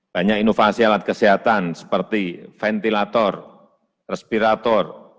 banyak inovasi alat kesehatan seperti ventilator respirator